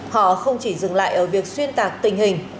họ không chỉ dừng lại ở việc xuyên tạc tình hình